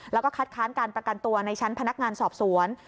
แล้วก็คัดค้านการประกันตัวในชั้นพนักงานสอบสวน